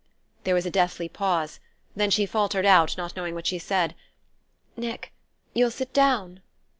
There was a deathly pause; then she faltered out, not knowing what she said: "Nick you'll sit down?"